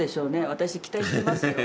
私期待してますよ。